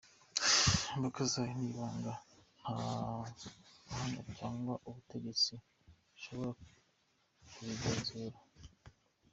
Imbuga zayo ni ibanga , nta bahanga cyangwa ubutegetsi bashobora kubigenzura.